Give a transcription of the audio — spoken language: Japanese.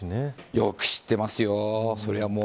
よく知ってますよ